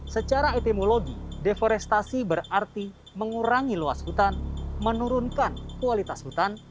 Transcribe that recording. secara etimologi deforestasi berarti mengurangi luas hutan menurunkan kualitas hutan